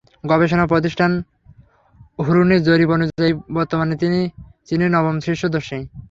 গবেষণা প্রতিষ্ঠান হুরুনের জরিপ অনুযায়ী, বর্তমানে তিনি চীনের নবম শীর্ষ ধনী।